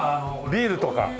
ビールとか。